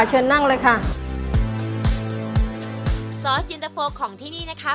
เชิญนั่งเลยค่ะซอสเย็นตะโฟของที่นี่นะคะ